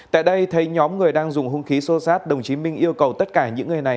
tại đây thấy nhóm người đang dùng hung khí xô sát đồng chí minh yêu cầu tất cả những người này